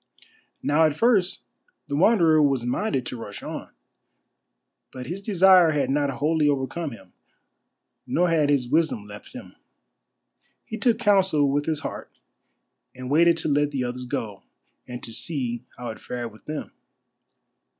Now at first the Wanderer was minded to rush on. But his desire had not wholly overcome him, nor had his wisdom left him. He took counsel with his heart and waited to let the others go, and to see how it fared with them.